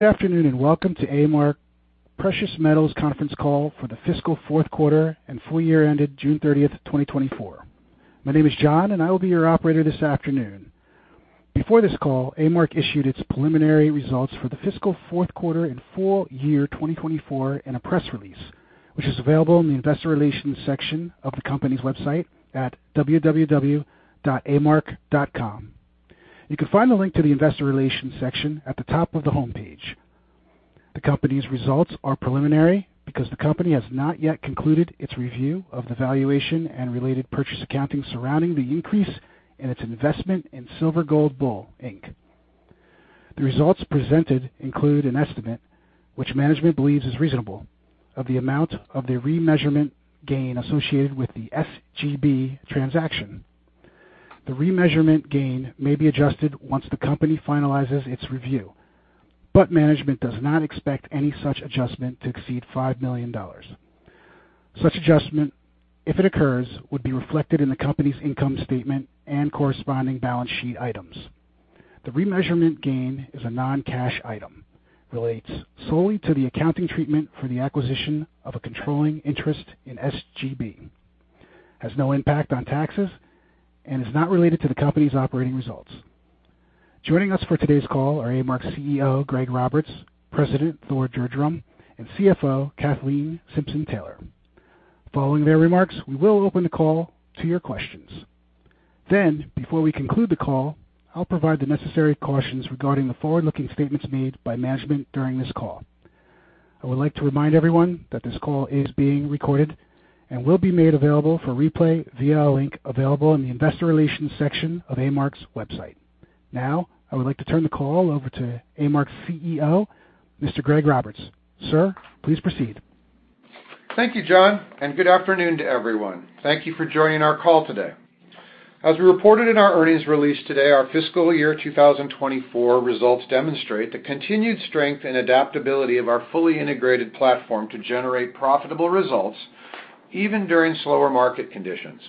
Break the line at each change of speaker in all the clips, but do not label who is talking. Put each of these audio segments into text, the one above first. Good afternoon, and welcome to A-Mark Precious Metals Conference Call for The Fiscal Fourth Quarter and Full Year ended June 30th, 2024. My name is John, and I will be your operator this afternoon. Before this call, A-Mark issued its preliminary results for the fiscal fourth quarter and full year 2024 in a press release, which is available in the investor relations section of the company's website at www.amark.com. You can find the link to the investor relations section at the top of the homepage. The company's results are preliminary because the company has not yet concluded its review of the valuation and related purchase accounting surrounding the increase in its investment in Silver Gold Bull Inc. The results presented include an estimate, which management believes is reasonable, of the amount of the remeasurement gain associated with the SGB transaction. The remeasurement gain may be adjusted once the company finalizes its review, but management does not expect any such adjustment to exceed $5 million. Such adjustment, if it occurs, would be reflected in the company's income statement and corresponding balance sheet items. The remeasurement gain is a non-cash item, relates solely to the accounting treatment for the acquisition of a controlling interest in SGB, has no impact on taxes, and is not related to the company's operating results. Joining us for today's call are A-Mark's CEO, Greg Roberts, President Thor Gjerdrum, and CFO, Kathleen Simpson-Taylor. Following their remarks, we will open the call to your questions. Then, before we conclude the call, I'll provide the necessary cautions regarding the forward-looking statements made by management during this call. I would like to remind everyone that this call is being recorded and will be made available for replay via a link available in the Investor Relations section of A-Mark's website. Now, I would like to turn the call over to A-Mark's CEO, Mr. Greg Roberts. Sir, please proceed.
Thank you, John, and good afternoon to everyone. Thank you for joining our call today. As we reported in our earnings release today, our fiscal year 2024 results demonstrate the continued strength and adaptability of our fully integrated platform to generate profitable results, even during slower market conditions.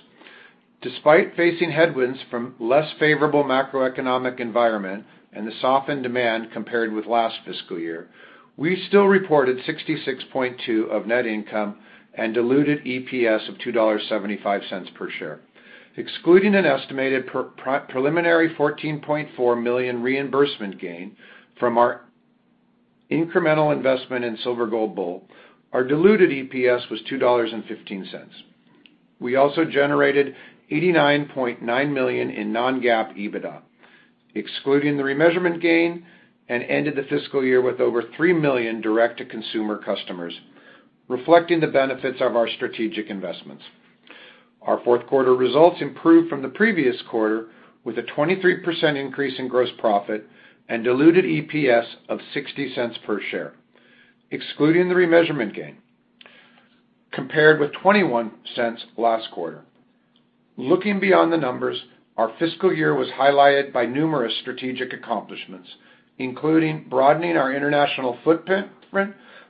Despite facing headwinds from less favorable macroeconomic environment and the softened demand compared with last fiscal year, we still reported $66.2 million of net income and diluted EPS of $2.75 per share. Excluding an estimated preliminary $14.4 million reimbursement gain from our incremental investment in Silver Gold Bull, our diluted EPS was $2.15. We also generated $89.9 million in non-GAAP EBITDA, excluding the remeasurement gain, and ended the fiscal year with over 3 million direct-to-consumer customers, reflecting the benefits of our strategic investments. Our fourth quarter results improved from the previous quarter, with a 23% increase in gross profit and diluted EPS of $0.60 per share, excluding the remeasurement gain, compared with $0.21 last quarter. Looking beyond the numbers, our fiscal year was highlighted by numerous strategic accomplishments, including broadening our international footprint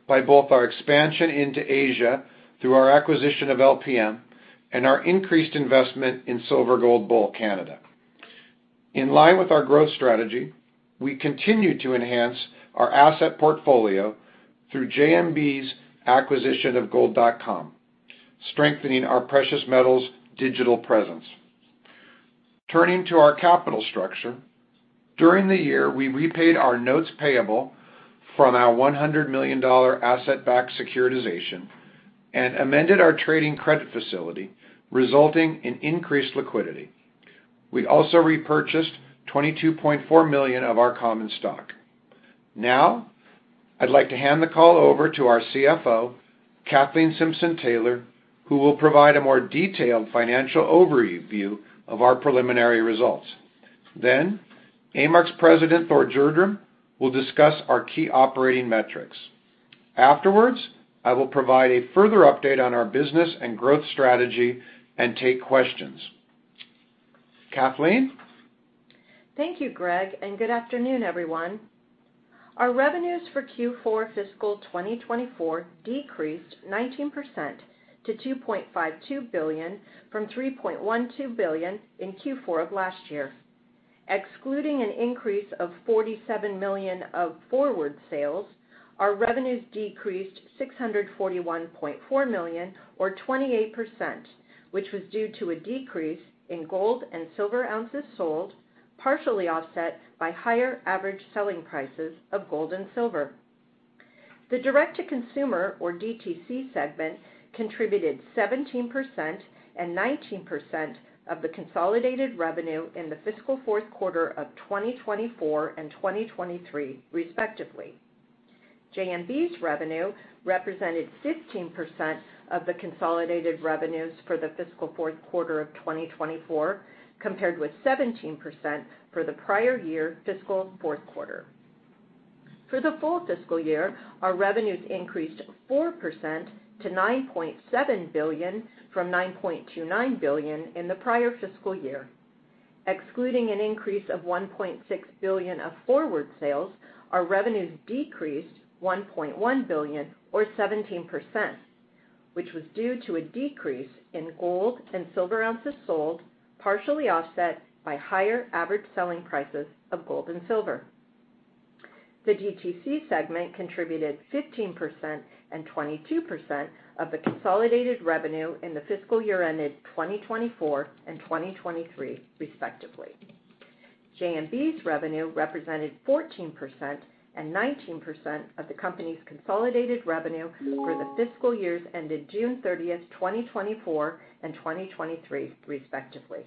by both our expansion into Asia through our acquisition of LPM and our increased investment in Silver Gold Bull, Canada. In line with our growth strategy, we continued to enhance our asset portfolio through JMB's acquisition of Gold.com, strengthening our precious metals digital presence. Turning to our capital structure, during the year, we repaid our notes payable from our $100 million asset-backed securitization and amended our trading credit facility, resulting in increased liquidity. We also repurchased 22.4 million of our common stock. Now, I'd like to hand the call over to our CFO, Kathleen Simpson-Taylor, who will provide a more detailed financial overview of our preliminary results. Then, A-Mark's President, Thor Gjerdrum, will discuss our key operating metrics. Afterwards, I will provide a further update on our business and growth strategy and take questions. Kathleen?
Thank you, Greg, and good afternoon, everyone. Our revenues for Q4 fiscal 2024 decreased 19% to $2.52 billion from $3.12 billion in Q4 of last year. Excluding an increase of $47 million of forward sales, our revenues decreased $641.4 million, or 28%, which was due to a decrease in gold and silver ounces sold, partially offset by higher average selling prices of gold and silver. The direct-to-consumer, or DTC segment, contributed 17% and 19% of the consolidated revenue in the fiscal fourth quarter of 2024 and 2023, respectively. JMB's revenue represented 15% of the consolidated revenues for the fiscal fourth quarter of 2024, compared with 17% for the prior year fiscal fourth quarter. For the full fiscal year, our revenues increased 4% to $9.7 billion from $9.29 billion in the prior fiscal year. Excluding an increase of $1.6 billion of forward sales, our revenues decreased $1.1 billion, or 17%, which was due to a decrease in gold and silver ounces sold, partially offset by higher average selling prices of gold and silver. The DTC segment contributed 15% and 22% of the consolidated revenue in the fiscal year ended 2024 and 2023, respectively. JMB's revenue represented 14% and 19% of the company's consolidated revenue for the fiscal years ended June 30th, 2024 and 2023, respectively.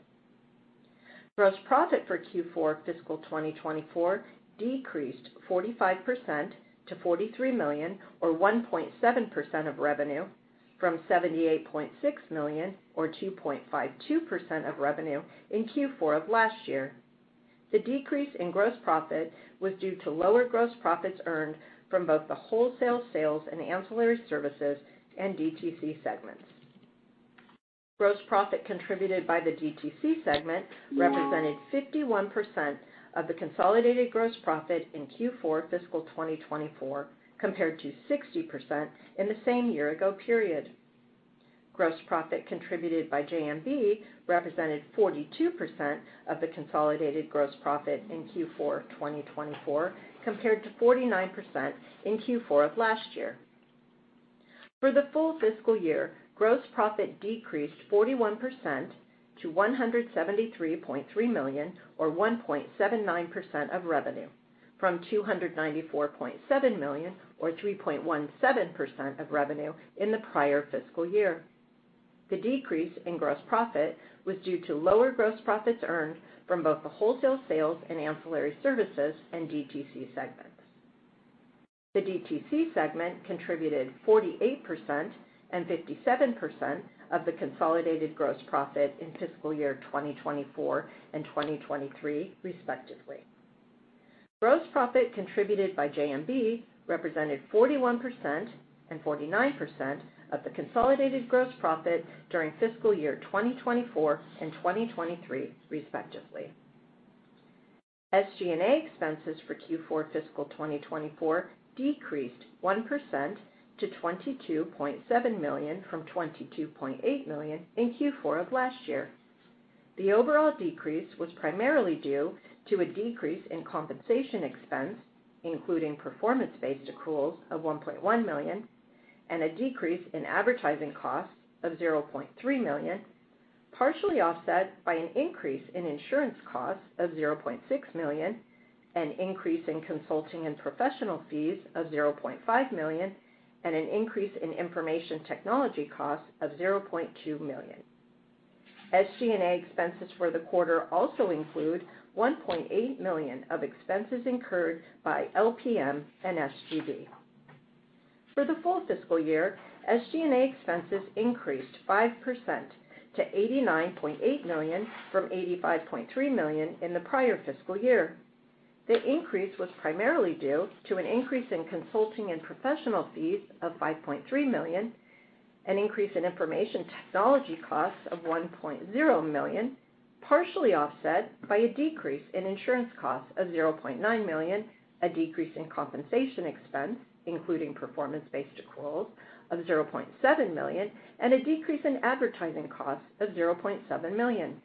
Gross profit for Q4 fiscal 2024 decreased 45% to $43 million, or 1.7% of revenue, from $78.6 million, or 2.52% of revenue in Q4 of last year. The decrease in gross profit was due to lower gross profits earned from both the wholesale sales and ancillary services and DTC segments. Gross profit contributed by the DTC segment represented 51% of the consolidated gross profit in Q4 fiscal 2024, compared to 60% in the same year ago period. Gross profit contributed by JMB represented 42% of the consolidated gross profit in Q4 2024, compared to 49% in Q4 of last year. For the full fiscal year, gross profit decreased 41% to $173.3 million, or 1.79% of revenue, from $294.7 million, or 3.17% of revenue, in the prior fiscal year. The decrease in gross profit was due to lower gross profits earned from both the wholesale sales and ancillary services and DTC segments. The DTC segment contributed 48% and 57% of the consolidated gross profit in fiscal year 2024 and 2023, respectively. Gross profit contributed by JMB represented 41% and 49% of the consolidated gross profit during fiscal year 2024 and 2023, respectively. SG&A expenses for Q4 fiscal 2024 decreased 1% to $22.7 million from $22.8 million in Q4 of last year. The overall decrease was primarily due to a decrease in compensation expense, including performance-based accruals of $1.1 million, and a decrease in advertising costs of $0.3 million, partially offset by an increase in insurance costs of $0.6 million, an increase in consulting and professional fees of $0.5 million, and an increase in information technology costs of $0.2 million. SG&A expenses for the quarter also include $1.8 million of expenses incurred by LPM and SGB. For the full fiscal year, SG&A expenses increased 5% to $89.8 million from $85.3 million in the prior fiscal year. The increase was primarily due to an increase in consulting and professional fees of $5.3 million, an increase in information technology costs of $1.0 million, partially offset by a decrease in insurance costs of $0.9 million, a decrease in compensation expense, including performance-based accruals of $0.7 million, and a decrease in advertising costs of $0.7 million.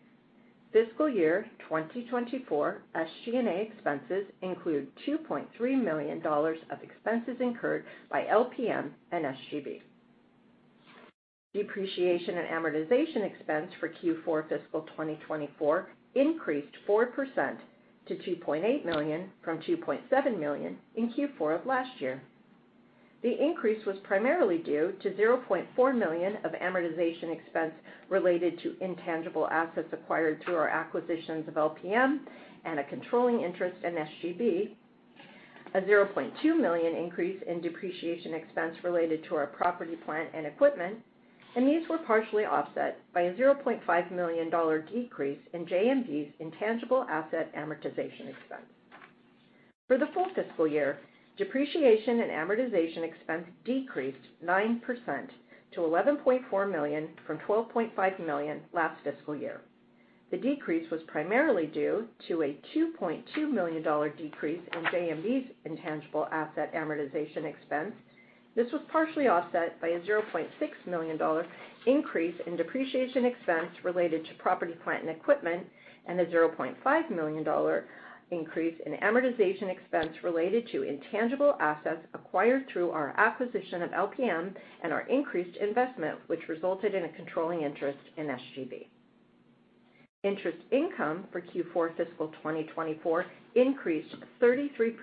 Fiscal year 2024 SG&A expenses include $2.3 million of expenses incurred by LPM and SGB. Depreciation and amortization expense for Q4 fiscal 2024 increased 4% to $2.8 million from $2.7 million in Q4 of last year. The increase was primarily due to $0.4 million of amortization expense related to intangible assets acquired through our acquisitions of LPM and a controlling interest in SGB. A $0.2 million increase in depreciation expense related to our property, plant, and equipment, and these were partially offset by a $0.5 million decrease in JMB's intangible asset amortization expense. For the full fiscal year, depreciation and amortization expense decreased 9% to $11.4 million from $12.5 million last fiscal year. The decrease was primarily due to a $2.2 million decrease in JMB's intangible asset amortization expense. This was partially offset by a $0.6 million increase in depreciation expense related to property, plant, and equipment, and a $0.5 million increase in amortization expense related to intangible assets acquired through our acquisition of LPM and our increased investment, which resulted in a controlling interest in SGB. Interest income for Q4 fiscal 2024 increased 33%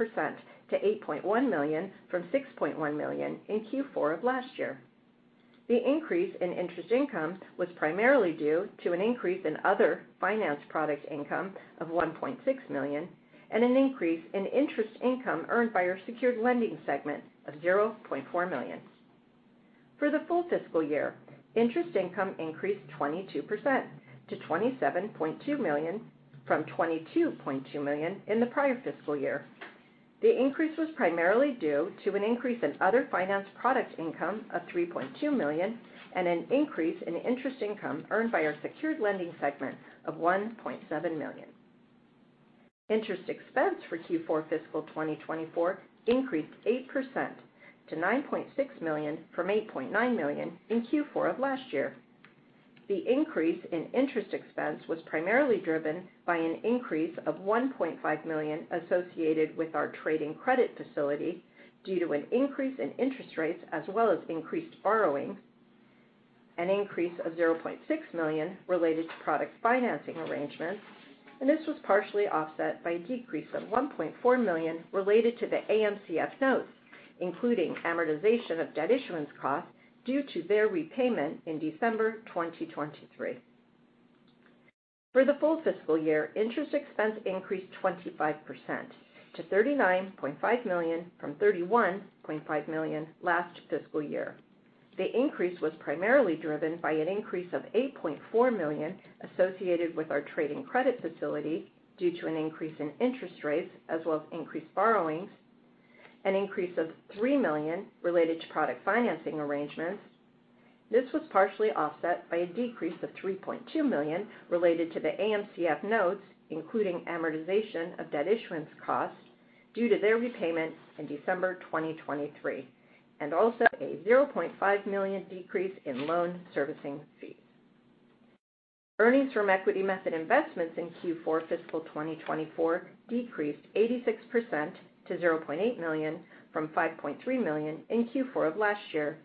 to $8.1 million from $6.1 million in Q4 of last year. The increase in interest income was primarily due to an increase in other finance product income of $1.6 million, and an increase in interest income earned by our secured lending segment of $0.4 million. For the full fiscal year, interest income increased 22% to $27.2 million from $22.2 million in the prior fiscal year. The increase was primarily due to an increase in other finance product income of $3.2 million, and an increase in interest income earned by our secured lending segment of $1.7 million. Interest expense for Q4 fiscal 2024 increased 8% to $9.6 million, from $8.9 million in Q4 of last year. The increase in interest expense was primarily driven by an increase of $1.5 million associated with our trading credit facility, due to an increase in interest rates, as well as increased borrowing. An increase of $0.6 million related to product financing arrangements, and this was partially offset by a decrease of $1.4 million related to the AMCF notes, including amortization of debt issuance costs, due to their repayment in December 2023. For the full fiscal year, interest expense increased 25% to $39.5 million from $31.5 million last fiscal year. The increase was primarily driven by an increase of $8.4 million associated with our trading credit facility due to an increase in interest rates, as well as increased borrowings, an increase of $3 million related to product financing arrangements. This was partially offset by a decrease of $3.2 million related to the AMCF notes, including amortization of debt issuance costs due to their repayment in December 2023, and also a $0.5 million decrease in loan servicing fees. Earnings from equity method investments in Q4 fiscal 2024 decreased 86% to $0.8 million, from $5.3 million in Q4 of last year.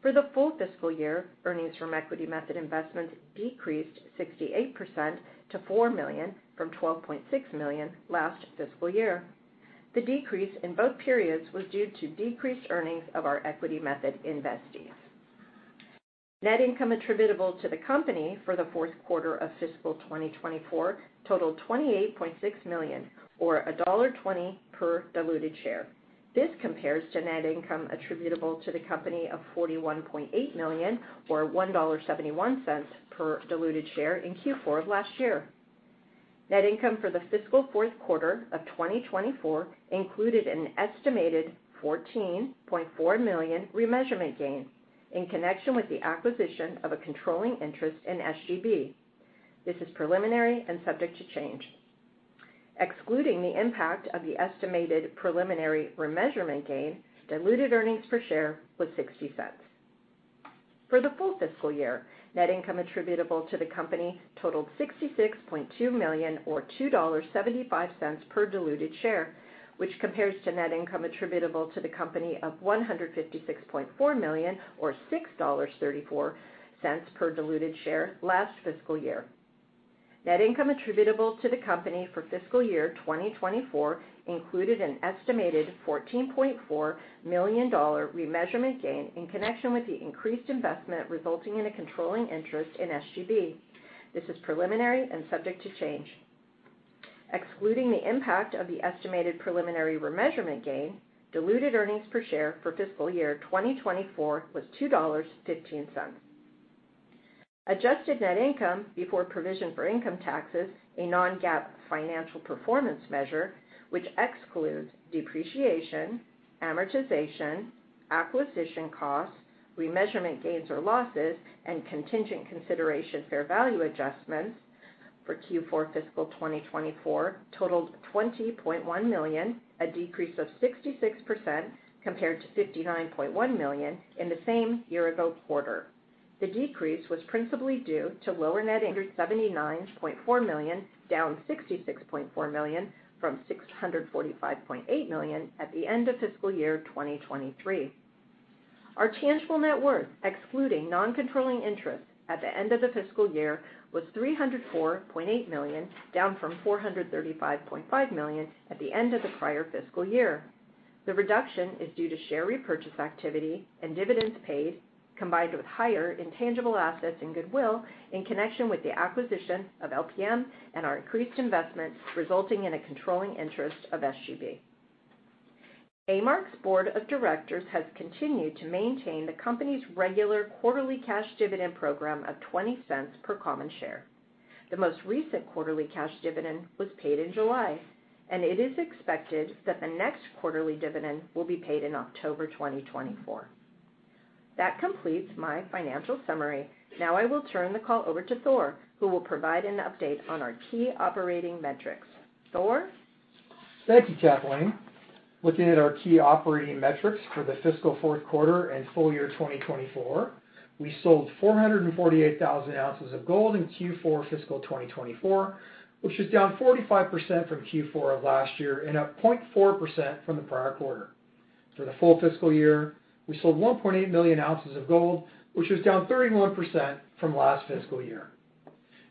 For the full fiscal year, earnings from equity method investments decreased 68% to $4 million from $12.6 million last fiscal year. The decrease in both periods was due to decreased earnings of our equity method investees. Net income attributable to the company for the fourth quarter of fiscal 2024 totaled $28.6 million, or $1.20 per diluted share. This compares to net income attributable to the company of $41.8 million, or $1.71 per diluted share in Q4 of last year. Net income for the fiscal fourth quarter of 2024 included an estimated $14.4 million remeasurement gain in connection with the acquisition of a controlling interest in SGB. This is preliminary and subject to change. Excluding the impact of the estimated preliminary remeasurement gain, diluted earnings per share was $0.60. For the full fiscal year, net income attributable to the company totaled $66.2 million, or $2.75 per diluted share, which compares to net income attributable to the company of $156.4 million, or $6.34 per diluted share last fiscal year. Net income attributable to the company for fiscal year 2024 included an estimated $14.4 million remeasurement gain in connection with the increased investment, resulting in a controlling interest in SGB. This is preliminary and subject to change. Excluding the impact of the estimated preliminary remeasurement gain, diluted earnings per share for fiscal year 2024 was $2.15. Adjusted net income before provision for income taxes, a non-GAAP financial performance measure, which excludes depreciation, amortization, acquisition costs, remeasurement gains or losses, and contingent consideration fair value adjustments for Q4 fiscal 2024 totaled $20.1 million, a decrease of 66% compared to $59.1 million in the same year ago quarter. The decrease was principally due to lower net assets of $579.4 million, down $66.4 million from $645.8 million at the end of fiscal year 2023. Our tangible net worth, excluding non-controlling interests at the end of the fiscal year, was $304.8 million, down from $435.5 million at the end of the prior fiscal year. The reduction is due to share repurchase activity and dividends paid, combined with higher intangible assets and goodwill in connection with the acquisition of LPM and our increased investment, resulting in a controlling interest of SGB. A-Mark's Board of Directors has continued to maintain the company's regular quarterly cash dividend program of $0.20 per common share. The most recent quarterly cash dividend was paid in July, and it is expected that the next quarterly dividend will be paid in October 2024. That completes my financial summary. Now, I will turn the call over to Thor, who will provide an update on our key operating metrics. Thor?
Thank you, Kathleen. Looking at our key operating metrics for the fiscal fourth quarter and full year 2024, we sold 448,000 ounces of gold in Q4 fiscal 2024, which is down 45% from Q4 of last year and up 0.4% from the prior quarter. For the full fiscal year, we sold 1.8 million ounces of gold, which was down 31% from last fiscal year.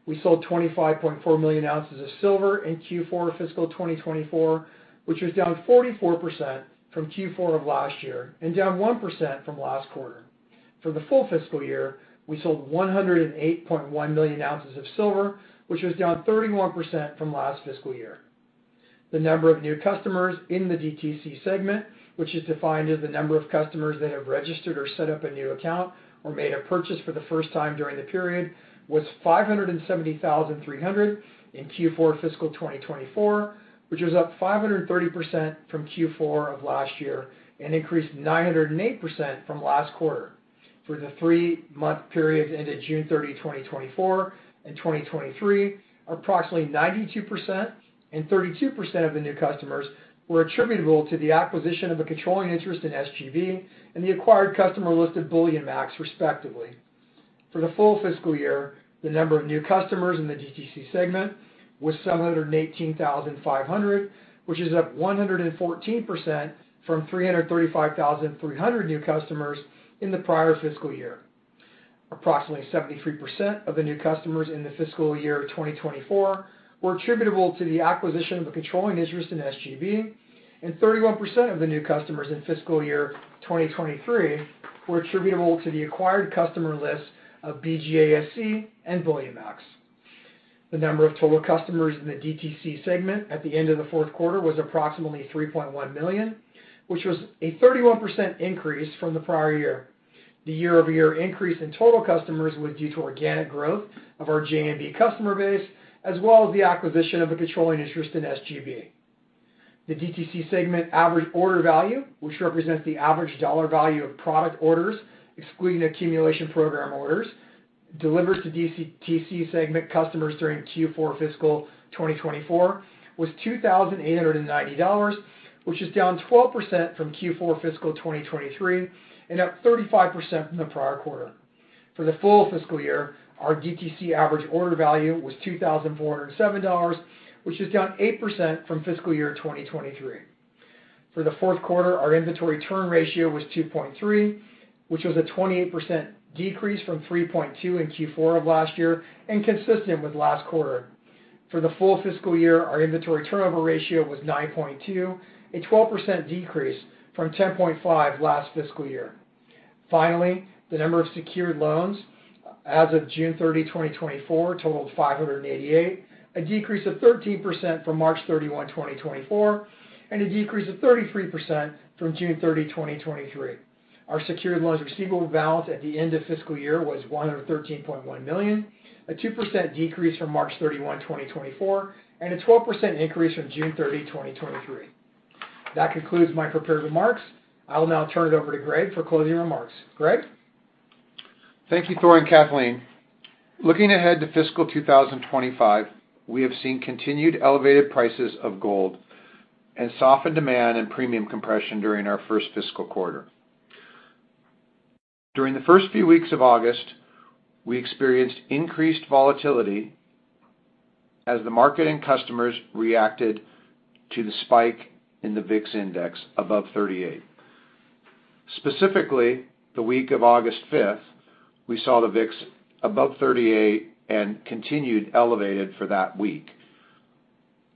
We sold 25.4 million ounces of silver in Q4 fiscal 2024, which was down 44% from Q4 of last year and down 1% from last quarter. For the full fiscal year, we sold 108.1 million ounces of silver, which was down 31% from last fiscal year. The number of new customers in the DTC segment, which is defined as the number of customers that have registered or set up a new account, or made a purchase for the first time during the period, was 570,300 in Q4 fiscal 2024, which was up 530% from Q4 of last year and increased 908% from last quarter. For the three-month period ended June 30, 2024 and 2023, approximately 92% and 32% of the new customers were attributable to the acquisition of a controlling interest in SGB and the acquired customer list of BullionMax, respectively. For the full fiscal year, the number of new customers in the DTC segment was 718,500, which is up 114% from 335,300 new customers in the prior fiscal year. Approximately 73% of the new customers in the fiscal year 2024 were attributable to the acquisition of a controlling interest in SGB, and 31% of the new customers in fiscal year 2023 were attributable to the acquired customer lists of BGASC and BullionMax. The number of total customers in the DTC segment at the end of the fourth quarter was approximately 3.1 million, which was a 31% increase from the prior year. The year-over-year increase in total customers was due to organic growth of our JMB customer base, as well as the acquisition of a controlling interest in SGB. The DTC segment average order value, which represents the average dollar value of product orders, excluding accumulation program orders, delivers to DTC segment customers during Q4 fiscal 2024 was $2,890, which is down 12% from Q4 fiscal 2023 and up 35% from the prior quarter. For the full fiscal year, our DTC average order value was $2,407, which is down 8% from fiscal year 2023. For the fourth quarter, our inventory turn ratio was 2.3, which was a 28% decrease from 3.2 in Q4 of last year and consistent with last quarter. For the full fiscal year, our inventory turnover ratio was 9.2, a 12% decrease from 10.5 last fiscal year. Finally, the number of secured loans as of June 30, 2024, totaled 588, a decrease of 13% from March 31, 2024, and a decrease of 33% from June 30, 2023. Our secured loans receivable balance at the end of fiscal year was $113.1 million, a 2% decrease from March 31, 2024, and a 12% increase from June 30, 2023. That concludes my prepared remarks. I'll now turn it over to Greg for closing remarks. Greg?
Thank you, Thor and Kathleen. Looking ahead to fiscal 2025, we have seen continued elevated prices of gold and softened demand and premium compression during our first fiscal quarter. During the first few weeks of August, we experienced increased volatility as the market and customers reacted to the spike in the VIX Index above 38. Specifically, the week of August 5th, we saw the VIX above 38 and continued elevated for that week.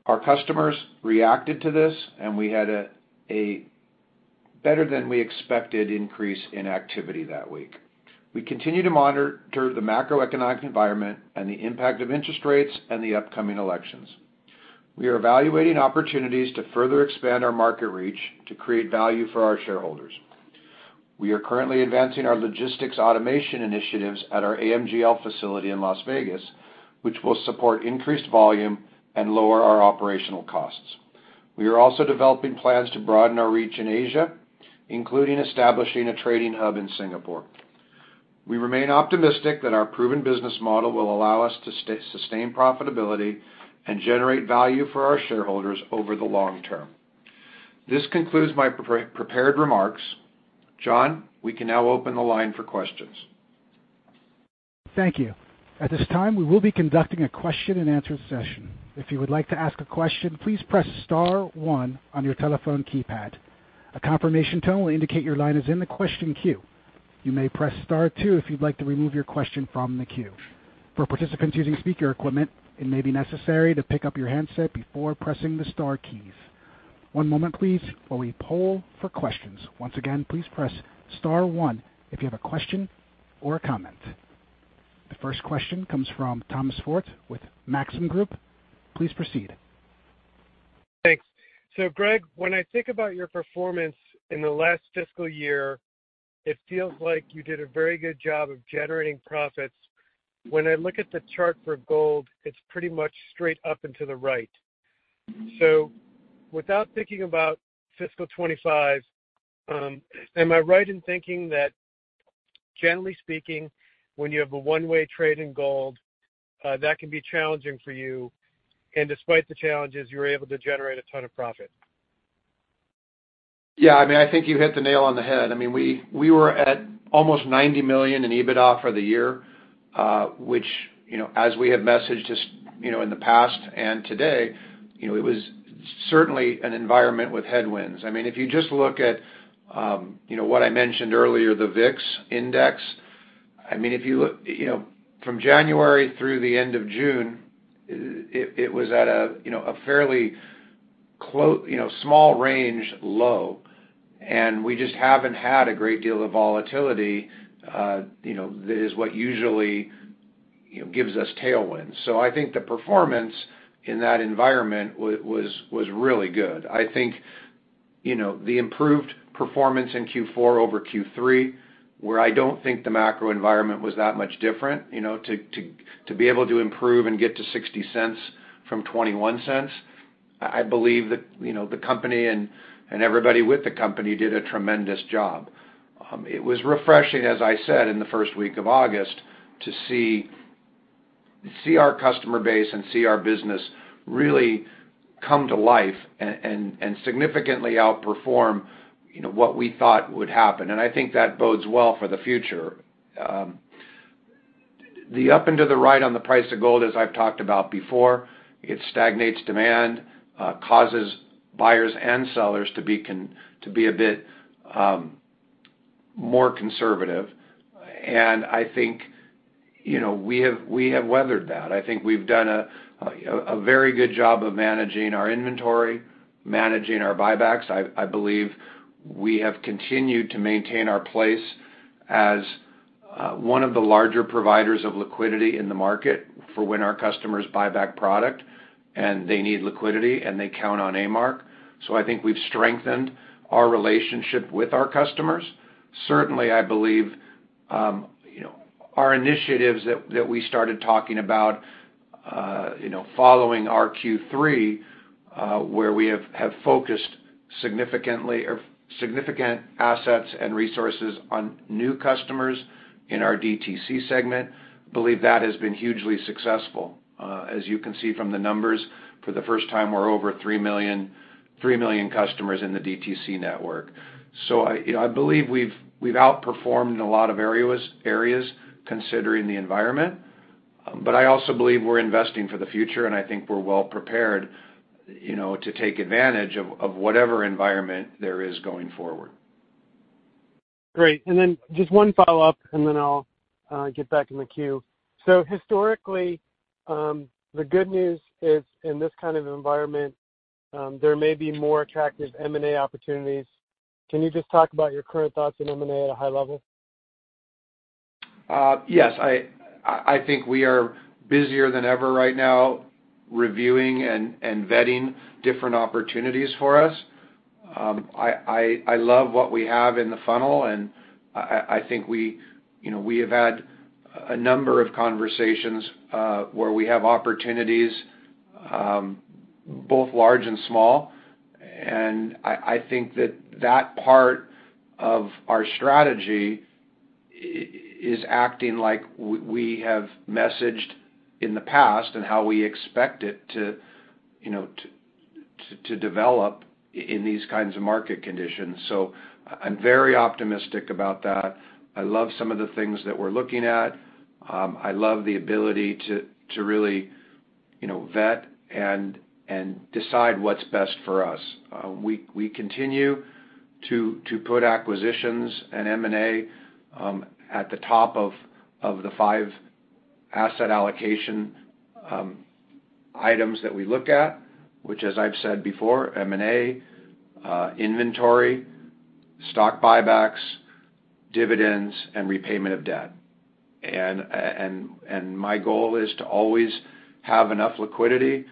Our customers reacted to this, and we had a better than we expected increase in activity that week. We continue to monitor the macroeconomic environment and the impact of interest rates and the upcoming elections. We are evaluating opportunities to further expand our market reach to create value for our shareholders. We are currently advancing our logistics automation initiatives at our AMGL facility in Las Vegas, which will support increased volume and lower our operational costs. We are also developing plans to broaden our reach in Asia, including establishing a trading hub in Singapore. We remain optimistic that our proven business model will allow us to sustain profitability and generate value for our shareholders over the long term. This concludes my prepared remarks. John, we can now open the line for questions.
Thank you. At this time, we will be conducting a question-and-answer session. If you would like to ask a question, please press star one on your telephone keypad. A confirmation tone will indicate your line is in the question queue. You may press star two if you'd like to remove your question from the queue. For participants using speaker equipment, it may be necessary to pick up your handset before pressing the star keys. One moment please, while we poll for questions. Once again, please press star one if you have a question or a comment. The first question comes from Thomas Forte with Maxim Group. Please proceed.
Thanks. So Greg, when I think about your performance in the last fiscal year, it feels like you did a very good job of generating profits. When I look at the chart for gold, it's pretty much straight up and to the right. So without thinking about fiscal 2025, am I right in thinking that, generally speaking, when you have a one-way trade in gold, that can be challenging for you, and despite the challenges, you're able to generate a ton of profit?
Yeah, I mean, I think you hit the nail on the head. I mean, we were at almost $90 million in EBITDA for the year, which, you know, as we have messaged, you know, in the past and today, you know, it was certainly an environment with headwinds. I mean, if you just look at, you know, what I mentioned earlier, the VIX Index, I mean, if you look, you know, from January through the end of June, it was at a, you know, a fairly small range low, and we just haven't had a great deal of volatility, you know, that is what usually, you know, gives us tailwinds. So I think the performance in that environment was really good. I think, you know, the improved performance in Q4 over Q3, where I don't think the macro environment was that much different, you know, to be able to improve and get to $0.60 from $0.21, I believe that, you know, the company and everybody with the company did a tremendous job. It was refreshing, as I said, in the first week of August, to see our customer base and see our business really come to life and significantly outperform, you know, what we thought would happen. And I think that bodes well for the future. The up and to the right on the price of gold, as I've talked about before, it stagnates demand, causes buyers and sellers to be a bit more conservative. And I think, you know, we have weathered that. I think we've done a very good job of managing our inventory, managing our buybacks. I believe we have continued to maintain our place as one of the larger providers of liquidity in the market for when our customers buy back product, and they need liquidity, and they count on A-Mark. So I think we've strengthened our relationship with our customers. Certainly, I believe, you know, our initiatives that we started talking about, you know, following our Q3, where we have focused significantly or significant assets and resources on new customers in our DTC segment, believe that has been hugely successful. As you can see from the numbers, for the first time, we're over 3 million customers in the DTC network. You know, I believe we've outperformed in a lot of areas, considering the environment. But I also believe we're investing for the future, and I think we're well prepared, you know, to take advantage of whatever environment there is going forward.
Great. And then just one follow-up, and then I'll get back in the queue. So historically, the good news is, in this kind of environment, there may be more attractive M&A opportunities. Can you just talk about your current thoughts on M&A at a high level?
Yes, I think we are busier than ever right now, reviewing and vetting different opportunities for us. I love what we have in the funnel, and I think we, you know, we have had a number of conversations where we have opportunities, both large and small. I think that part of our strategy is acting like we have messaged in the past and how we expect it to, you know, to develop in these kinds of market conditions. So I'm very optimistic about that. I love some of the things that we're looking at. I love the ability to really, you know, vet and decide what's best for us. We continue to put acquisitions and M&A at the top of the five asset allocation items that we look at, which, as I've said before, M&A, inventory, stock buybacks, dividends, and repayment of debt. And my goal is to always have enough liquidity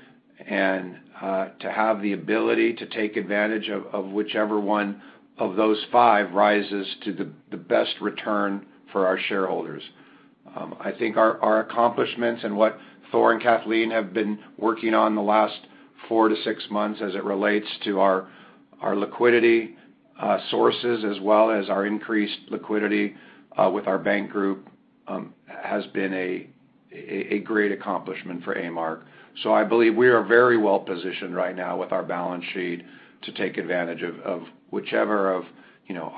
and to have the ability to take advantage of whichever one of those five rises to the best return for our shareholders. I think our accomplishments and what Thor and Kathleen have been working on in the last 4-6 months as it relates to our liquidity sources, as well as our increased liquidity with our bank group, has been a great accomplishment for A-Mark. So I believe we are very well positioned right now with our balance sheet to take advantage of whichever of, you know,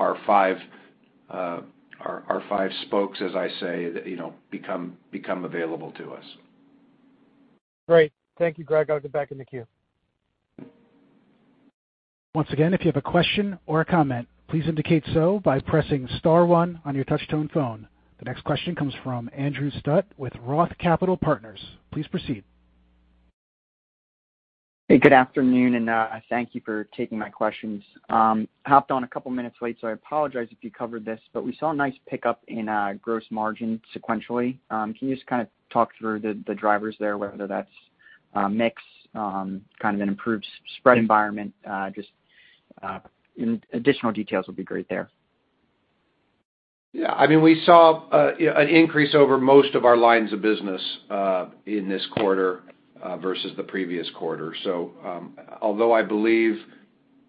our five spokes, as I say, that, you know, become available to us.
Great. Thank you, Greg. I'll get back in the queue.
Once again, if you have a question or a comment, please indicate so by pressing star one on your touch-tone phone. The next question comes from Andrew Scutt with Roth Capital Partners. Please proceed. Hey, good afternoon, and thank you for taking my questions. Hopped on a couple of minutes late, so I apologize if you covered this, but we saw a nice pickup in gross margin sequentially. Can you just kind of talk through the drivers there, whether that's mix, kind of an improved spread environment? Just additional details would be great there.
Yeah, I mean, we saw an increase over most of our lines of business in this quarter versus the previous quarter. So, although I believe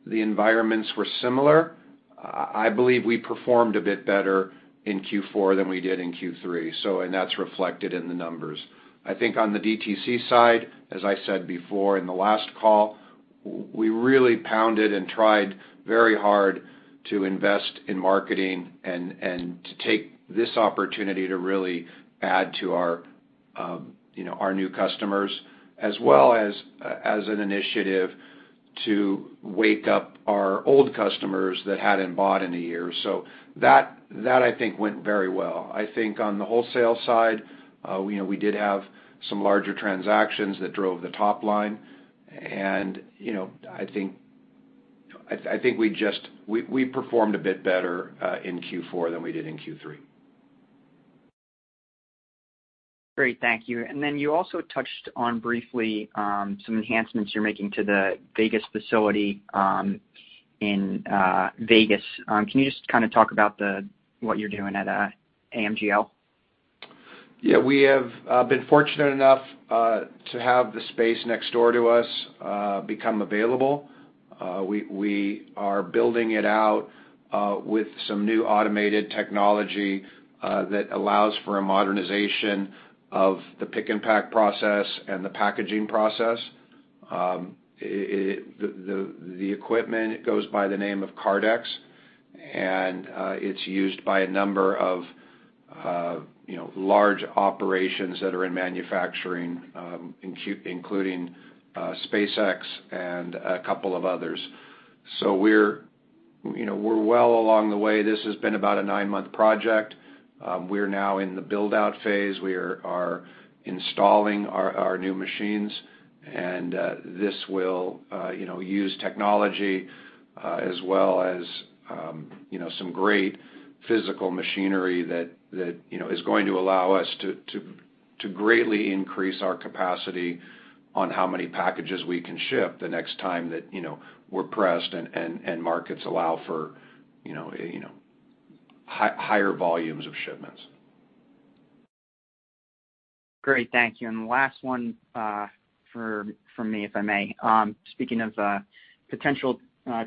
the environments were similar, I believe we performed a bit better in Q4 than we did in Q3, so and that's reflected in the numbers. I think on the DTC side, as I said before in the last call, we really pounded and tried very hard to invest in marketing and to take this opportunity to really add to our, you know, our new customers, as well as an initiative to wake up our old customers that hadn't bought in a year. So that I think went very well. I think on the wholesale side, you know, we did have some larger transactions that drove the top line. You know, I think we just performed a bit better in Q4 than we did in Q3. Great. Thank you. And then you also touched on briefly some enhancements you're making to the Vegas facility in Vegas. Can you just kind of talk about what you're doing at AMGL? Yeah, we have been fortunate enough to have the space next door to us become available. We are building it out with some new automated technology that allows for a modernization of the pick-and-pack process and the packaging process. The equipment goes by the name of Kardex, and it's used by a number of you know large operations that are in manufacturing, including SpaceX and a couple of others. So we're you know we're well along the way. This has been about a nine-month project. We're now in the build-out phase. We are installing our new machines, and this will, you know, use technology as well as, you know, some great physical machinery that, you know, is going to allow us to greatly increase our capacity on how many packages we can ship the next time that, you know, we're pressed and markets allow for, you know, higher volumes of shipments. Great. Thank you. And the last one from me, if I may. Speaking of potential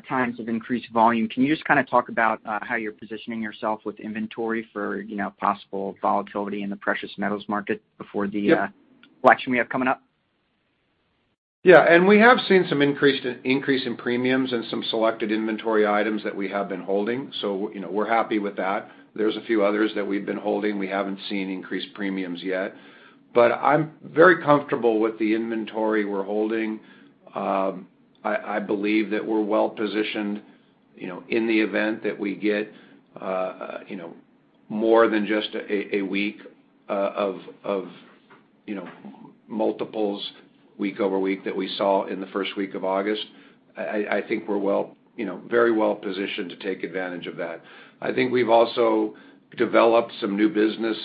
times of increased volume, can you just kind of talk about how you're positioning yourself with inventory for, you know, possible volatility in the precious metals market before the election we have coming up? Yeah, and we have seen some increase in premiums in some selected inventory items that we have been holding, so, you know, we're happy with that. There's a few others that we've been holding, we haven't seen increased premiums yet. But I'm very comfortable with the inventory we're holding. I believe that we're well positioned, you know, in the event that we get, you know, more than just a week of, you know, multiples week over week that we saw in the first week of August. I think we're well, you know, very well positioned to take advantage of that. I think we've also developed some new business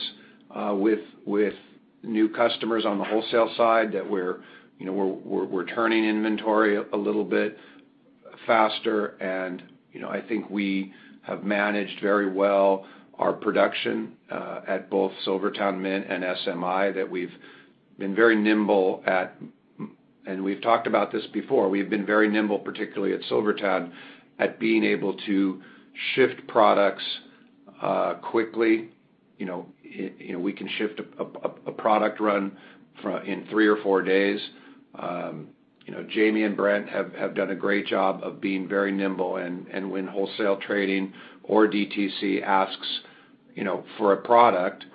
with new customers on the wholesale side that we're, you know, turning inventory a little bit faster, and, you know, I think we have managed very well our production at both SilverTowne Mint and SMI, that we've been very nimble at. And we've talked about this before, we've been very nimble, particularly at SilverTowne, at being able to shift products quickly. You know, you know, we can shift a product run in three or four days. You know, Jamie and Brent have done a great job of being very nimble, and when wholesale trading or DTC asks, you know, for a product,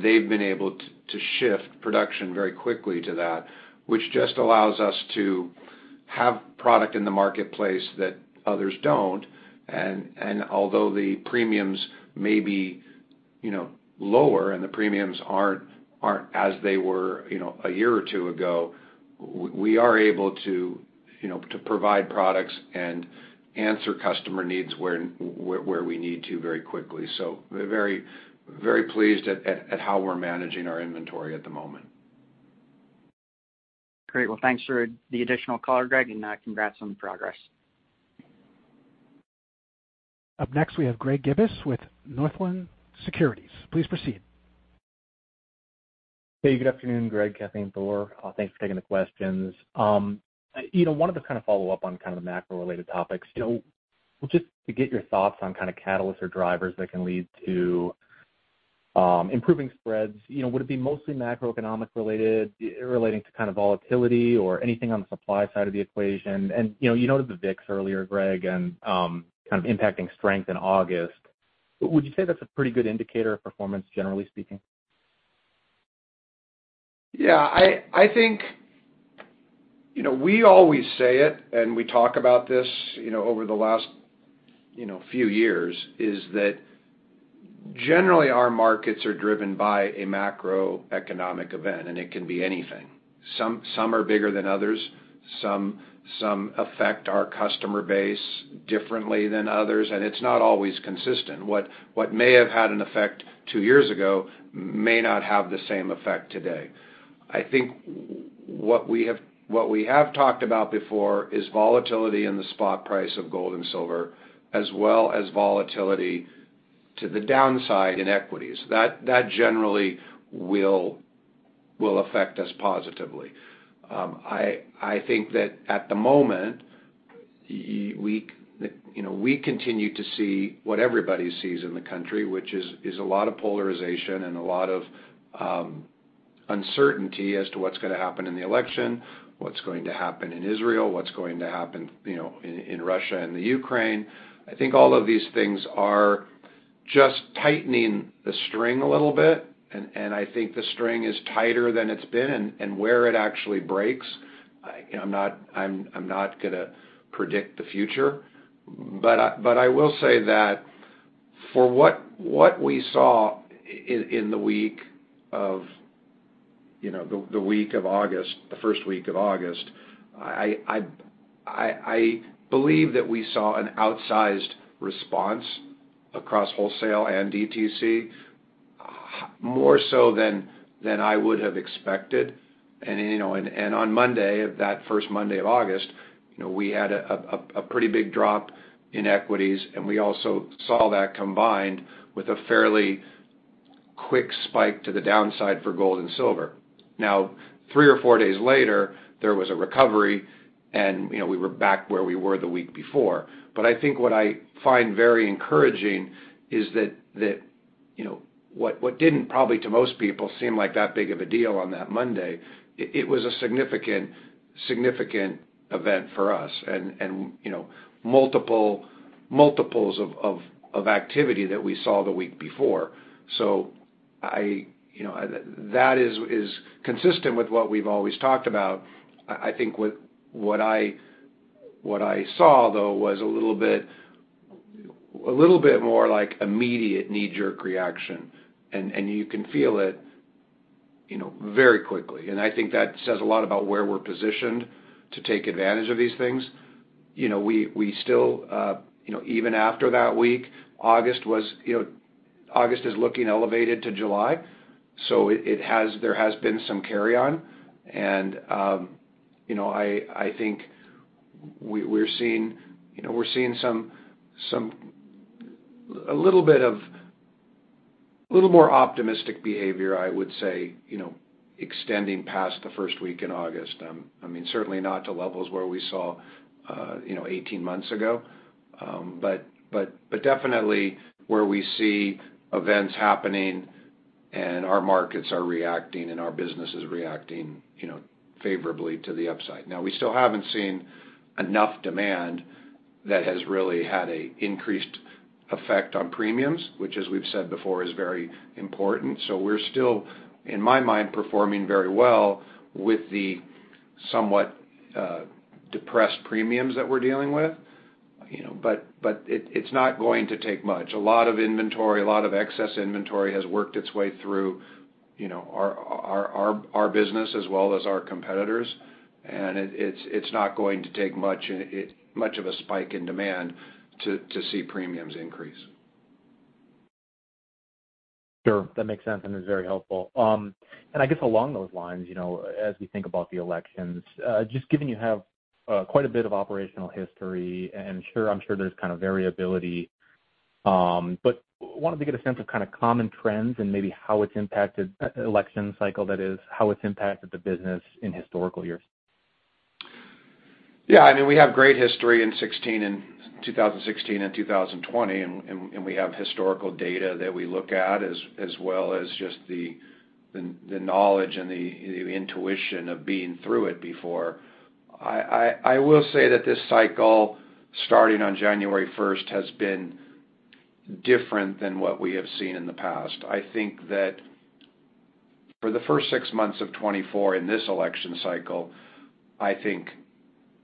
they've been able to shift production very quickly to that, which just allows us to have product in the marketplace that others don't. Although the premiums may be, you know, lower and the premiums aren't as they were, you know, a year or two ago, we are able to, you know, to provide products and answer customer needs where we need to very quickly, so we're very, very pleased at how we're managing our inventory at the moment. Great. Well, thanks for the additional color, Greg, and congrats on the progress.
Up next, we have Greg Gibas with Northland Securities. Please proceed.
Hey, good afternoon, Greg, Kathleen, Thor. Thanks for taking the questions. You know, wanted to kind of follow up on kind of the macro-related topics. You know, just to get your thoughts on kind of catalysts or drivers that can lead to improving spreads, you know, would it be mostly macroeconomic related, relating to kind of volatility or anything on the supply side of the equation? And, you know, you noted the VIX earlier, Greg, and kind of impacting strength in August. Would you say that's a pretty good indicator of performance, generally speaking?
Yeah, I think. You know, we always say it, and we talk about this, you know, over the last, you know, few years, is that generally, our markets are driven by a macroeconomic event, and it can be anything. Some are bigger than others, some affect our customer base differently than others, and it's not always consistent. What may have had an effect 2 years ago may not have the same effect today. I think what we have talked about before is volatility in the spot price of gold and silver, as well as volatility to the downside in equities. That generally will affect us positively. I think that at the moment, we, you know, we continue to see what everybody sees in the country, which is a lot of polarization and a lot of uncertainty as to what's gonna happen in the election, what's going to happen in Israel, what's going to happen, you know, in Russia and the Ukraine. I think all of these things are just tightening the string a little bit, and I think the string is tighter than it's been, and where it actually breaks, you know, I'm not gonna predict the future. But I will say that for what we saw in the week of, you know, the week of August, the first week of August, I believe that we saw an outsized response across wholesale and DTC, more so than I would have expected. You know, on Monday, that first Monday of August, you know, we had a pretty big drop in equities, and we also saw that combined with a fairly quick spike to the downside for gold and silver. Now, three or four days later, there was a recovery, and, you know, we were back where we were the week before. But I think what I find very encouraging is that, you know, what didn't probably to most people seem like that big of a deal on that Monday, it was a significant event for us and, you know, multiples of activity that we saw the week before. So, you know, that is consistent with what we've always talked about. I think what I saw, though, was a little bit more like immediate knee-jerk reaction, and you can feel it, you know, very quickly. And I think that says a lot about where we're positioned to take advantage of these things. You know, we still, you know, even after that week, August was, you know, August is looking elevated to July, so it has. There has been some carry-on. You know, I think we're seeing, you know, we're seeing some a little bit more optimistic behavior, I would say, you know, extending past the first week in August. I mean, certainly not to levels where we saw, you know, 18 months ago, but definitely where we see events happening, and our markets are reacting, and our business is reacting, you know, favorably to the upside. Now, we still haven't seen enough demand that has really had an increased effect on premiums, which, as we've said before, is very important. So we're still, in my mind, performing very well with the somewhat depressed premiums that we're dealing with, you know, but it's not going to take much. A lot of inventory, a lot of excess inventory has worked its way through, you know, our business as well as our competitors, and it's not going to take much of a spike in demand to see premiums increase.
Sure, that makes sense, and it's very helpful, and I guess along those lines, you know, as we think about the elections, just given you have quite a bit of operational history, and sure, I'm sure there's kind of variability, but wanted to get a sense of kind of common trends and maybe how it's impacted election cycle, that is, how it's impacted the business in historical years.
Yeah, I mean, we have great history in 2016, in 2016 and 2020, and we have historical data that we look at, as well as just the knowledge and the intuition of being through it before. I will say that this cycle, starting on January 1st, has been different than what we have seen in the past. I think that for the first 6 months of 2024 in this election cycle, I think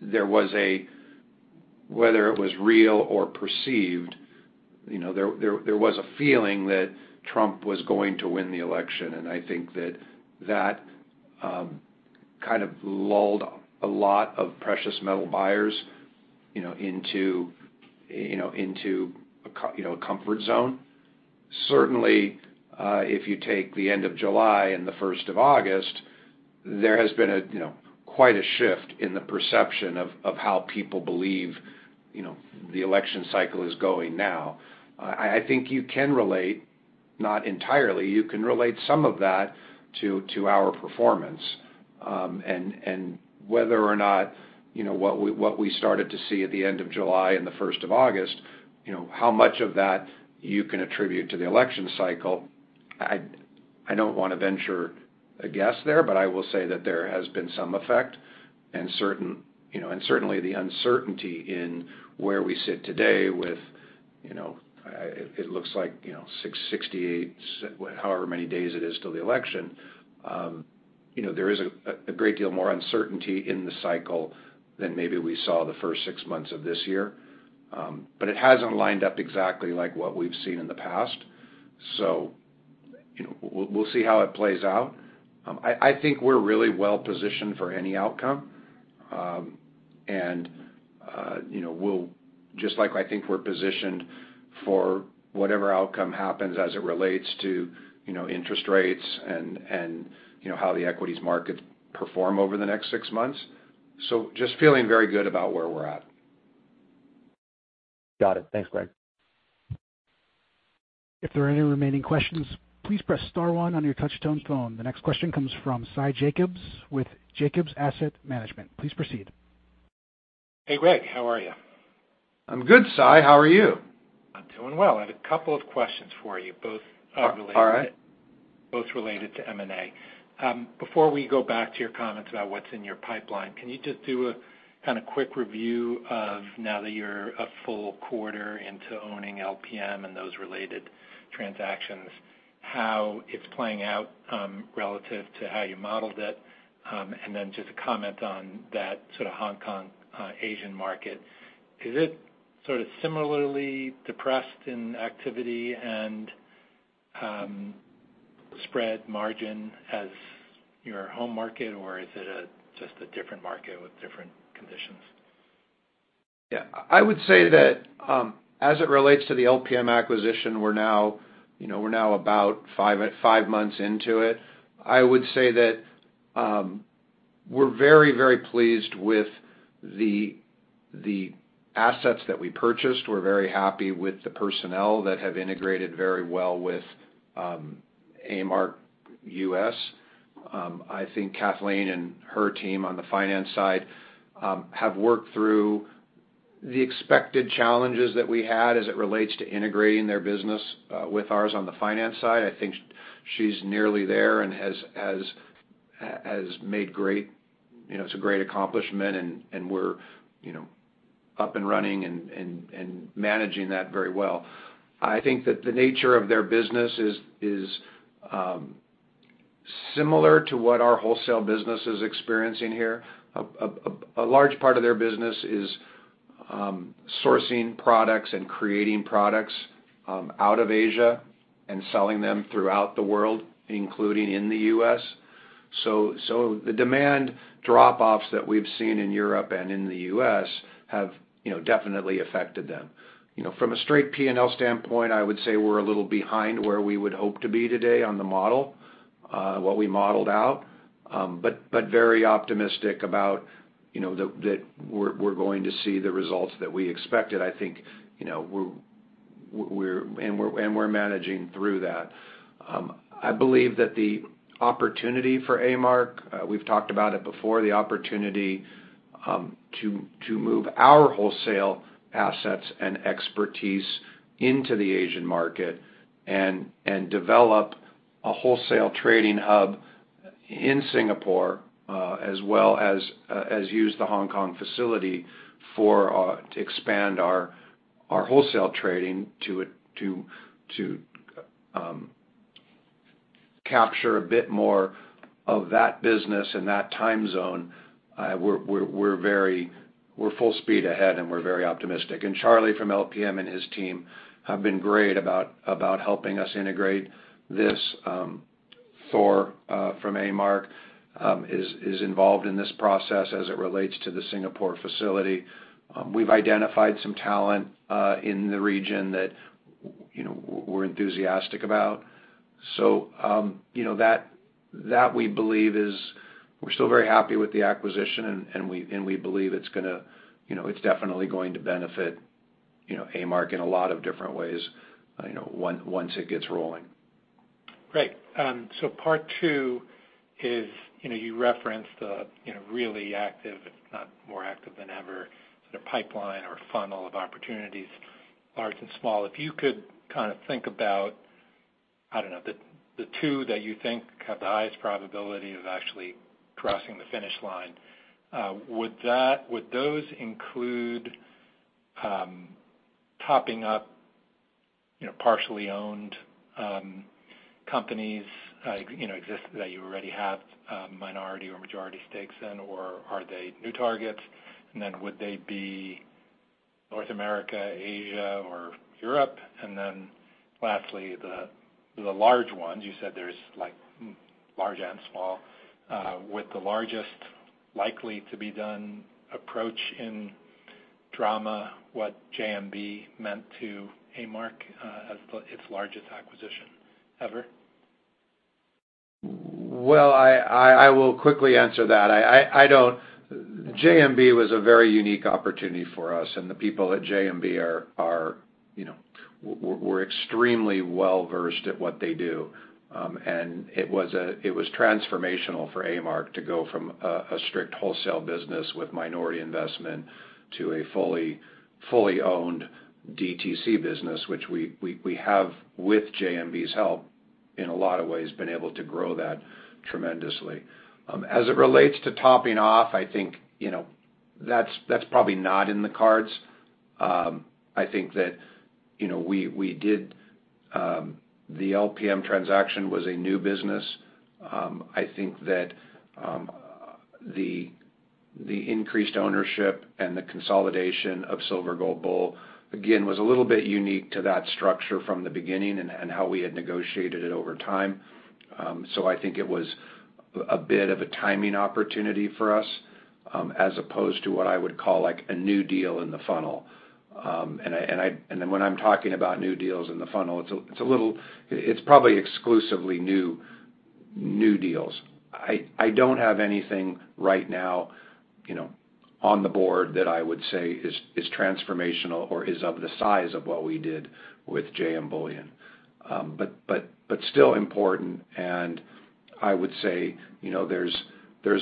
there was a, whether it was real or perceived, you know, there was a feeling that Trump was going to win the election, and I think that that kind of lulled a lot of precious metal buyers, you know, into a comfort zone. Certainly, if you take the end of July and the first of August, there has been a, you know, quite a shift in the perception of how people believe, you know, the election cycle is going now. I think you can relate, not entirely, some of that to our performance. Whether or not, you know, what we started to see at the end of July and the first of August, you know, how much of that you can attribute to the election cycle, I don't want to venture a guess there, but I will say that there has been some effect. You know, and certainly the uncertainty in where we sit today with, you know, it looks like, you know, 668, however many days it is till the election, you know, there is a great deal more uncertainty in the cycle than maybe we saw the first 6 months of this year. But it hasn't lined up exactly like what we've seen in the past. So, you know, we'll see how it plays out. I think we're really well positioned for any outcome. And, you know, we'll just like I think we're positioned for whatever outcome happens as it relates to, you know, interest rates and, you know, how the equities markets perform over the next 6 months. So just feeling very good about where we're at.
Got it. Thanks, Greg.
If there are any remaining questions, please press star one on your touchtone phone. The next question comes from Sy Jacobs with Jacobs Asset Management. Please proceed.
Hey, Greg, how are you?
I'm good, Sy. How are you?
I'm doing well. I have a couple of questions for you, both related.
All right.
Both related to M&A. Before we go back to your comments about what's in your pipeline, can you just do a kind of quick review of now that you're a full quarter into owning LPM and those related transactions, how it's playing out, relative to how you modeled it? And then just a comment on that sort of Hong Kong, Asian market. Is it sort of similarly depressed in activity and, spread margin as your home market, or is it just a different market with different conditions?
Yeah. I would say that as it relates to the LPM acquisition, we're now, you know, we're now about 5 months into it. I would say that. We're very, very pleased with the assets that we purchased. We're very happy with the personnel that have integrated very well with A-Mark U.S.. I think Kathleen and her team on the finance side have worked through the expected challenges that we had as it relates to integrating their business with ours on the finance side. I think she's nearly there and has made great, you know, it's a great accomplishment, and we're, you know, up and running and managing that very well. I think that the nature of their business is similar to what our wholesale business is experiencing here. A large part of their business is sourcing products and creating products out of Asia and selling them throughout the world, including in the U.S.. The demand drop-offs that we've seen in Europe and in the U.S. have, you know, definitely affected them. You know, from a straight P&L standpoint, I would say we're a little behind where we would hope to be today on the model, what we modeled out. But very optimistic about, you know, that we're going to see the results that we expected. I think, you know, we're managing through that. I believe that the opportunity for A-Mark, we've talked about it before, the opportunity to move our wholesale assets and expertise into the Asian market and develop a wholesale trading hub in Singapore, as well as use the Hong Kong facility for to expand our wholesale trading to it to capture a bit more of that business in that time zone. We're full speed ahead, and we're very optimistic. And Charlie from LPM and his team have been great about helping us integrate this. Thor from A-Mark is involved in this process as it relates to the Singapore facility. We've identified some talent in the region that you know, we're enthusiastic about. So, you know, that we believe is, we're still very happy with the acquisition, and we believe it's gonna, you know, it's definitely going to benefit, you know, A-Mark in a lot of different ways, you know, once it gets rolling.
Great. So part two is, you know, you referenced the, you know, really active, if not more active than ever, sort of pipeline or funnel of opportunities, large and small. If you could kind of think about, I don't know, the two that you think have the highest probability of actually crossing the finish line, would those include topping up, you know, partially owned companies, you know, existing that you already have minority or majority stakes in, or are they new targets? And then would they be North America, Asia, or Europe? And then lastly, the large ones, you said there's like large and small, with the largest likely to be done approaching the scale of what JMB means to A-Mark as its largest acquisition ever?
I will quickly answer that. I don't. JMB was a very unique opportunity for us, and the people at JMB are, you know, were extremely well-versed at what they do. And it was transformational for A-Mark to go from a strict wholesale business with minority investment to a fully owned DTC business, which we have, with JMB's help, in a lot of ways, been able to grow that tremendously. As it relates to topping off, I think, you know, that's probably not in the cards. I think that, you know, we did. The LPM transaction was a new business. I think that the increased ownership and the consolidation of Silver Gold Bull, again, was a little bit unique to that structure from the beginning and how we had negotiated it over time, so I think it was a bit of a timing opportunity for us, as opposed to what I would call, like, a new deal in the funnel, and when I'm talking about new deals in the funnel, it's probably exclusively new deals. I don't have anything right now, you know, on the board that I would say is transformational or is of the size of what we did with JM Bullion, but still important, and I would say, you know, there's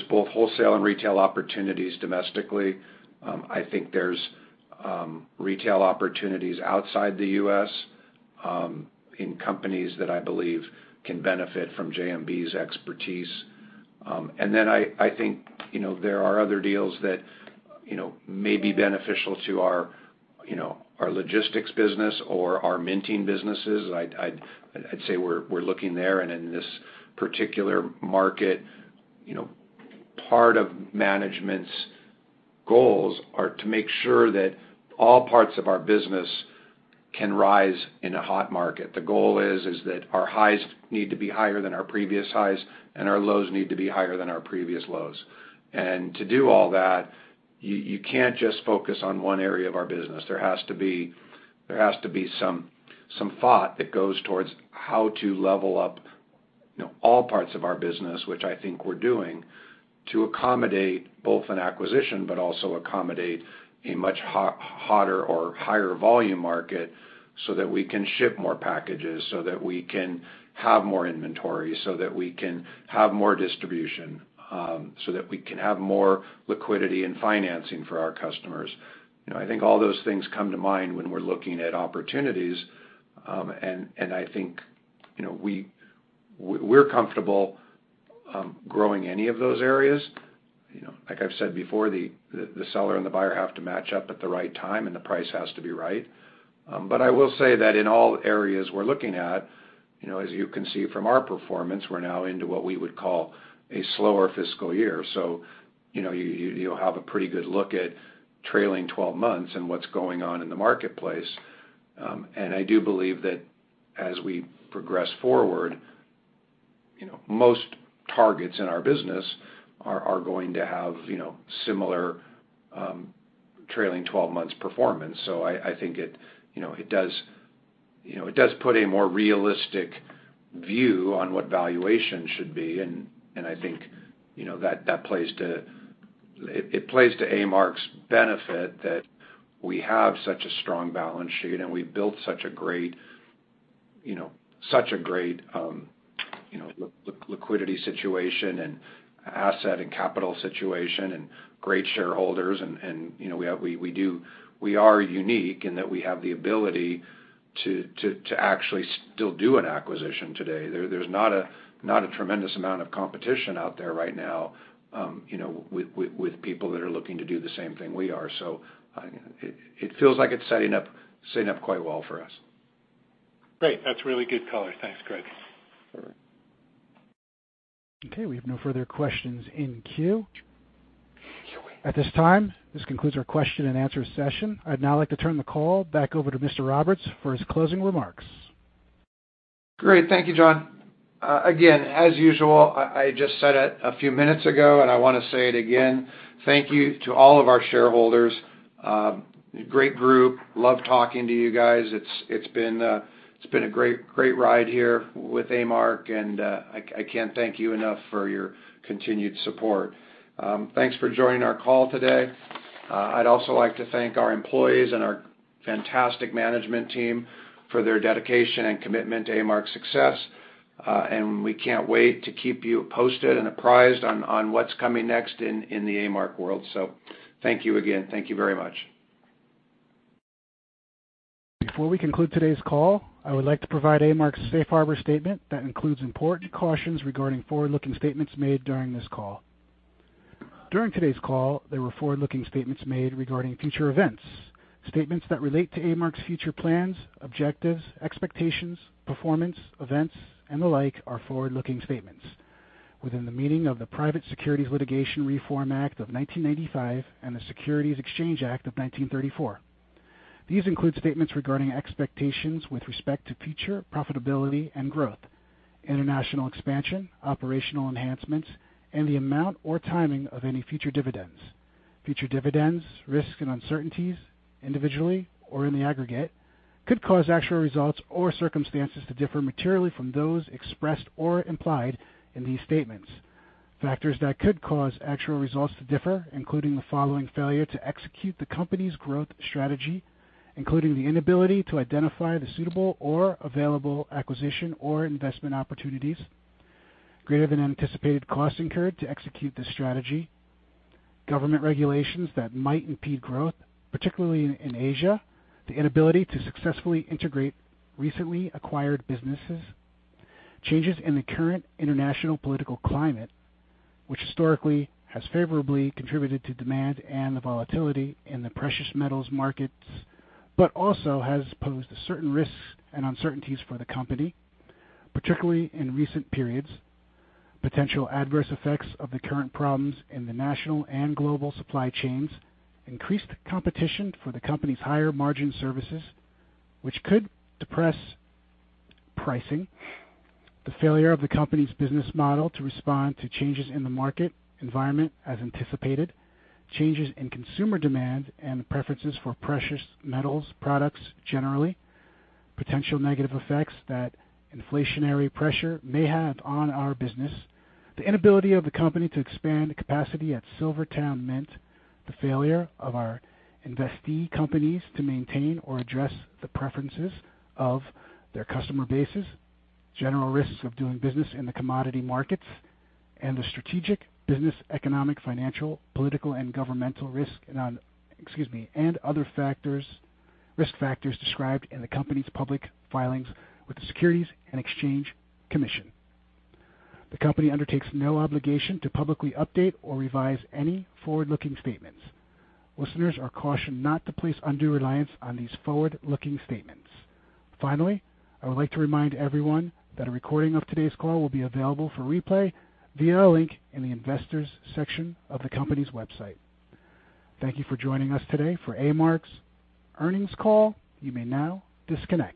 both wholesale and retail opportunities domestically. I think there's retail opportunities outside the U.S. in companies that I believe can benefit from JMB's expertise. And then I think, you know, there are other deals that, you know, may be beneficial to our, you know, our logistics business or our minting businesses. I'd say we're looking there. And in this particular market, you know, part of management's goals are to make sure that all parts of our business can rise in a hot market. The goal is that our highs need to be higher than our previous highs, and our lows need to be higher than our previous lows. And to do all that, you can't just focus on one area of our business. There has to be some thought that goes towards how to level up, you know, all parts of our business, which I think we're doing, to accommodate both an acquisition, but also accommodate a much hotter or higher volume market, so that we can ship more packages, so that we can have more inventory, so that we can have more distribution, so that we can have more liquidity and financing for our customers. You know, I think all those things come to mind when we're looking at opportunities, and I think, you know, we're comfortable growing any of those areas. You know, like I've said before, the seller and the buyer have to match up at the right time, and the price has to be right. But I will say that in all areas we're looking at, you know, as you can see from our performance, we're now into what we would call a slower fiscal year. So, you know, you will have a pretty good look at trailing 12 months and what's going on in the marketplace. And I do believe that as we progress forward, you know, most targets in our business are going to have, you know, similar trailing 12 months performance. So I think it, you know, it does put a more realistic view on what valuation should be, and I think, you know, that plays to. It plays to A-Mark's benefit that we have such a strong balance sheet, and we've built such a great, you know, liquidity situation and asset and capital situation and great shareholders and, you know, we have. We are unique in that we have the ability to actually still do an acquisition today. There's not a tremendous amount of competition out there right now, you know, with people that are looking to do the same thing we are. So it feels like it's setting up quite well for us.
Great. That's really good color. Thanks, Greg.
Sure.
Okay, we have no further questions in queue. At this time, this concludes our question and answer session. I'd now like to turn the call back over to Mr. Roberts for his closing remarks.
Great. Thank you, John. Again, as usual, I just said it a few minutes ago, and I wanna say it again: thank you to all of our shareholders. Great group. Love talking to you guys. It's been a great ride here with A-Mark, and I can't thank you enough for your continued support. Thanks for joining our call today. I'd also like to thank our employees and our fantastic management team for their dedication and commitment to A-Mark's success. We can't wait to keep you posted and apprised on what's coming next in the A-Mark world. So thank you again. Thank you very much.
Before we conclude today's call, I would like to provide A-Mark's Safe Harbor statement that includes important cautions regarding forward-looking statements made during this call. During today's call, there were forward-looking statements made regarding future events. Statements that relate to A-Mark's future plans, objectives, expectations, performance, events, and the like are forward-looking statements within the meaning of the Private Securities Litigation Reform Act of 1995 and the Securities Exchange Act of 1934. These include statements regarding expectations with respect to future profitability and growth, international expansion, operational enhancements, and the amount or timing of any future dividends. Future dividends, risks, and uncertainties, individually or in the aggregate, could cause actual results or circumstances to differ materially from those expressed or implied in these statements. Factors that could cause actual results to differ, including the following failure to execute the company's growth strategy, including the inability to identify the suitable or available acquisition or investment opportunities, greater than anticipated costs incurred to execute the strategy, government regulations that might impede growth, particularly in Asia, the inability to successfully integrate recently acquired businesses, changes in the current international political climate, which historically has favorably contributed to demand and the volatility in the precious metals markets, but also has posed certain risks and uncertainties for the company, particularly in recent periods. Potential adverse effects of the current problems in the national and global supply chains, increased competition for the company's higher margin services, which could depress pricing, the failure of the company's business model to respond to changes in the market environment as anticipated, changes in consumer demand and the preferences for precious metals products generally, potential negative effects that inflationary pressure may have on our business, the inability of the company to expand the capacity at SilverTowne Mint, the failure of our investee companies to maintain or address the preferences of their customer bases, general risks of doing business in the commodity markets, and the strategic, business, economic, financial, political, and governmental risk and, excuse me, and other factors, risk factors described in the company's public filings with the Securities and Exchange Commission. The company undertakes no obligation to publicly update or revise any forward-looking statements. Listeners are cautioned not to place undue reliance on these forward-looking statements. Finally, I would like to remind everyone that a recording of today's call will be available for replay via a link in the Investors section of the company's website. Thank you for joining us today for A-Mark's earnings call. You may now disconnect.